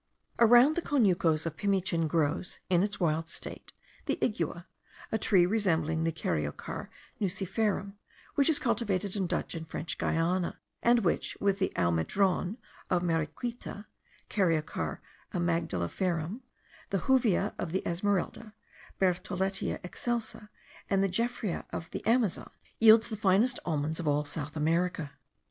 Around the conucos of Pimichin grows, in its wild state, the igua, a tree resembling the Caryocar nuciferum which is cultivated in Dutch and French Guiana, and which, with the almendron of Mariquita (Caryocar amygdaliferum), the juvia of the Esmeralda (Bertholletia excelsa), and the Geoffroea of the Amazon, yields the finest almonds of all South America.